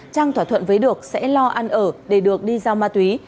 trang thỏa thuận với được sẽ lo ăn ở để được đi giao ma túy